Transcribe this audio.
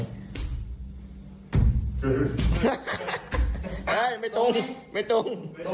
ไม่ตรงไม่ตรง